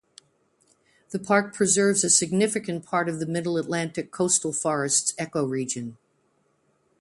The park preserves a significant part of the Middle Atlantic coastal forests ecoregion.